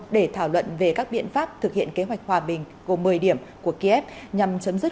để thảo luận về các biện pháp thực hiện kế hoạch hòa bình gồm một mươi điểm của kiev nhằm chấm dứt